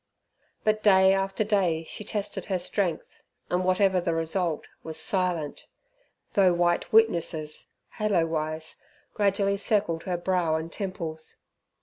But day after day she tested her strength, and whatever the result, was silent, though white witnesses, halo wise, gradually circled her brow and temples.